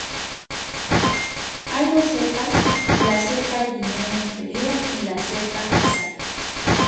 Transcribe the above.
Hay dos cepas: la cepa de Guinea inferior y la cepa Zaire.